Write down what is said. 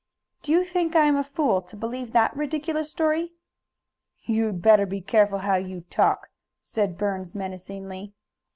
"Do you think I am a fool, to believe that ridiculous story?" "You'd better be careful how you talk!" said Burns, menacingly.